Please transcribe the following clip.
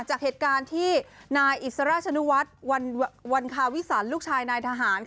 จากเหตุการณ์ที่นายอิสราชนุวัฒน์วันคาวิสันลูกชายนายทหาร